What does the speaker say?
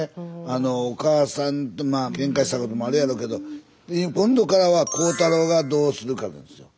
あのおかあさんとけんかしたこともあるやろうけど今度からは浩太朗がどうするかですよ。